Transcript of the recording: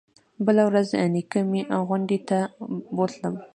بله ورځ نيكه مې غونډۍ ته بوتلم.